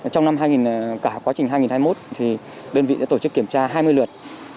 trong quá trình năm hai nghìn hai mươi một thì đơn vị đã tổ chức kiểm tra hai mươi lượt